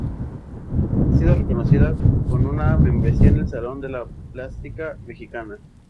Ha sido reconocida con una membresía en el Salón de la Plástica Mexicana.